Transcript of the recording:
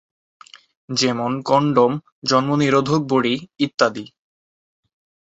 যেমন কনডম, জন্ম নিরোধক বড়ি ইত্যাদি।